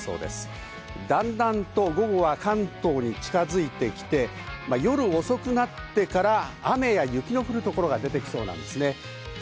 だんだんと午後は関東に近づいてきて、夜遅くになってから、雨や雪の降る所が出てきそうです。